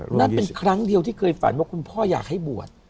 นั่นเป็นครั้งเดียวที่เคยฝันว่าคุณพ่ออยากให้บวช